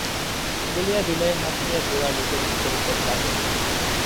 বলিয়া বিনয়ের হাত লইয়া গোরা নিজের বুকের উপরে চাপিয়া ধরিল।